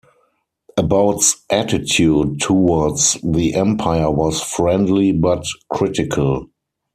About's attitude towards the empire was friendly but critical.